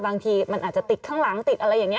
บางทีมันอาจจะติดข้างหลังติดอะไรอย่างนี้